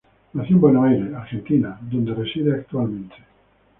Nació en Buenos Aires, Argentina donde reside actualmente.